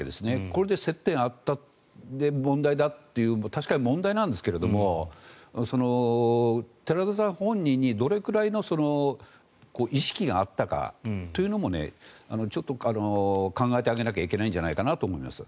これで接点があったで、問題だというのは確かに問題なんですが寺田さん本人にどれくらいの意識があったかというのもちょっと考えてあげなきゃいけないんじゃないかと思います。